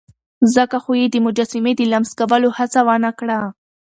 ځکه خو يې د مجسمې د لمس کولو هڅه ونه کړه.